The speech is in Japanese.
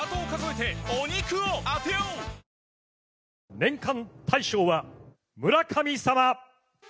年間大賞は村神様！